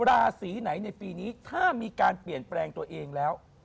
ราศีไหนในปีนี้ถ้ามีการเปลี่ยนแปลงตัวเองแล้ว